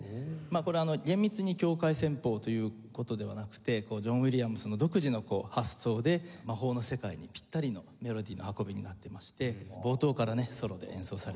これ厳密に教会旋法という事ではなくてジョン・ウィリアムズの独自の発想で魔法の世界にピッタリのメロディーの運びになってまして冒頭からねソロで演奏されます。